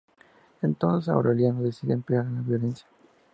Entonces Aureliano decide emplear la violencia.